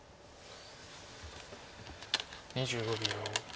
２５秒。